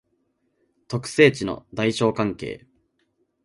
特性値の大小関係